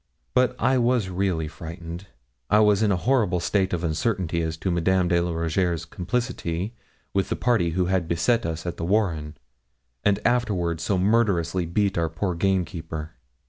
But I was really frightened. I was in a horrible state of uncertainty as to Madame de la Rougierre's complicity with the party who had beset us at the warren, and afterwards so murderously beat our poor gamekeeper.